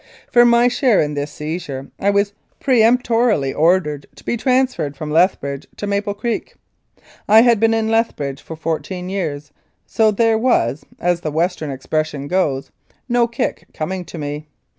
For my share in this seizure I was peremptorily ordered to be transferred from Lethbridge to Maple Creek. I had been in Lethbridge for fourteen years, so there was, as the Western expression goes, "no kick coming to me."